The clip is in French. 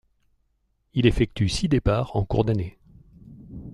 Il effectue six départs en cours d'année.